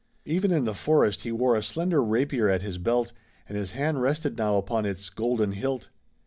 Even in the forest he wore a slender rapier at his belt, and his hand rested now upon its golden hilt.